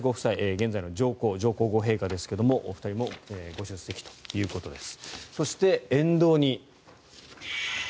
現在の上皇・上皇后ご夫妻ですがお二人もご出席ということです。